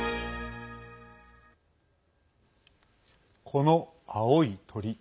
この青い鳥。